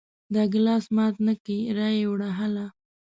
دا ګلاس مات نه کې را یې وړه هله!